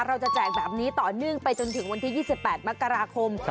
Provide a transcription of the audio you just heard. แจกแบบนี้ต่อเนื่องไปจนถึงวันที่๒๘มกราคม